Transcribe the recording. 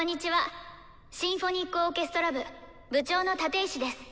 シンフォニックオーケストラ部部長の立石です。